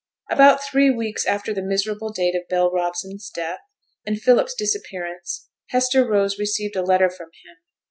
About three weeks after the miserable date of Bell Robson's death and Philip's disappearance, Hester Rose received a letter from him.